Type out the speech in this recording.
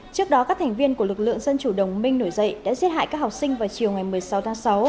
trước đó các thành viên của lực lượng dân chủ đồng minh nổi dậy đã giết hại các học sinh vào chiều ngày một mươi sáu tháng sáu